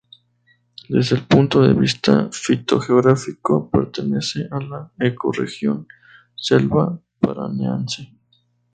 Desde el punto de vista fitogeográfico, pertenece a la ecorregión selva paranaense.